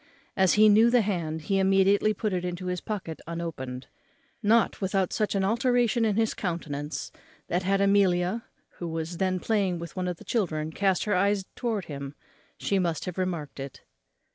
As he knew the hand, he immediately put it into his pocket unopened, not without such an alteration in his countenance, that had Amelia, who was then playing with one of the children, cast her eyes towards him, she must have remarked it.